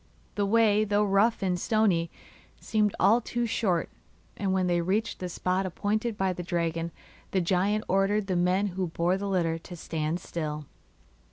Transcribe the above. The way, though rough and stony, seemed all too short, and when they reached the spot appointed by the dragon the giant ordered the men who bore the litter to stand still.